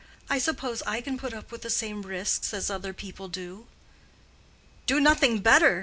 —I suppose I can put up with the same risks as other people do." "Do nothing better?"